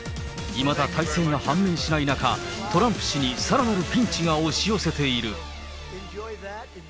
いまだ大勢が判明しない中、トランプ氏にさらなるピンチが押し寄せている。